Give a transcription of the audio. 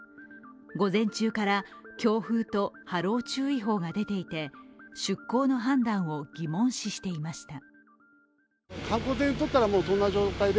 午前中から強風と波浪注意報が出ていて、出航の判断を疑問視していました。